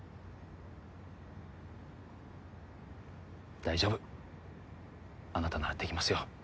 大丈夫あなたならできますよ